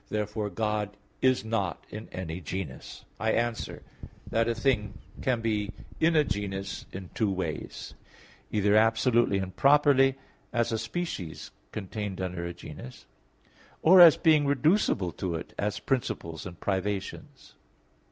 Therefore God is not in any genus. I answer that, A thing can be in a genus in two ways; either absolutely and properly, as a species contained under a genus; or as being reducible to it, as principles and privations.